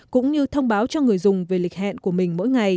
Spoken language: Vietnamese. cũng như thông báo cho người dùng về lịch hẹn của mình